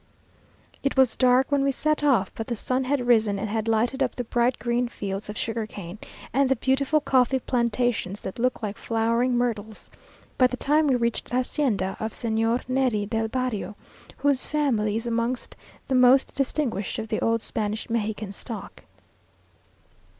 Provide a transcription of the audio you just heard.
It was dark when we set off; but the sun had risen and had lighted up the bright green fields of sugar cane, and the beautiful coffee plantations that look like flowering myrtles, by the time we reached the hacienda of Señor Neri del Barrio, whose family is amongst the most distinguished of the old Spanish Mexican stock.